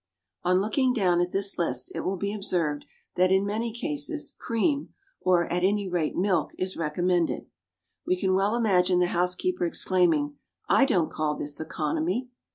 On looking down this list it will be observed that in many cases cream or, at any rate, milk is recommended. We can well imagine the housekeeper exclaiming, "I don't call this economy."